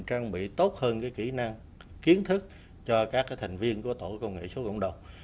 làm việc tốt hơn cái kỹ năng kiến thức cho các thành viên của tổ công nghệ số cộng đồng